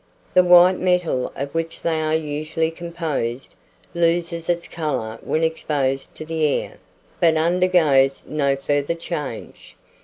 The white metal of which they are usually composed, loses its colour when exposed to the air, but undergoes no further change.